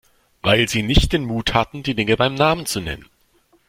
Weil Sie nicht den Mut hatten, die Dinge beim Namen zu nennen.